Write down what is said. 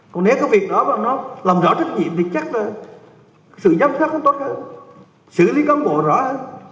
còn nếu có việc đó ban nó làm rõ trách nhiệm thì chắc là sự giám sát không tốt hết xử lý công bộ rõ hết